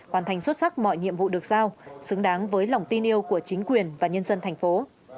hoàn thành xuất sắc mọi nhiệm vụ được sao xứng đáng với lòng tin yêu của chính quyền và nhân dân thành phố